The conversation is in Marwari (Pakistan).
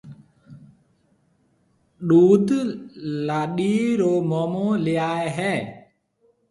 ڏُوڌ لاڏِي رو مومون ليائيَ ھيََََ